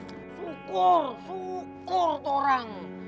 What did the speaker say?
syukur syukur toorang